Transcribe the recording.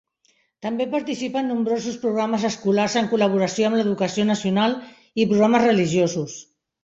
També participa en nombrosos programes escolars en col·laboració amb l'educació nacional i programes religiosos.